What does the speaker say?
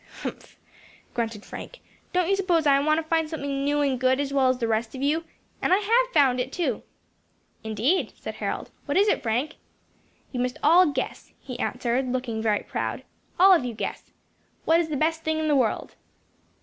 "Humph," grunted Frank; "don't you suppose I want to find something new and good as well as the rest of you? and I have found it, too." "Indeed," said Harold; "what is it, Frank?" "You must all guess," he answered, looking very proud, "all of you guess. What is the best thing in the world?"